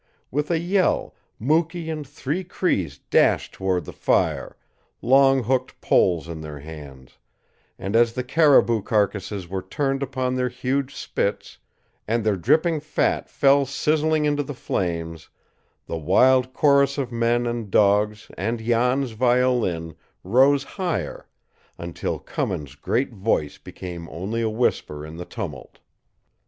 With a yell Mukee and three Crees dashed toward the fire, long hooked poles in their hands; and as the caribou carcasses were turned upon their huge spits, and their dripping fat fell sizzling into the flames, the wild chorus of men and dogs and Jan's violin rose higher, until Cummins' great voice became only a whisper in the tumult.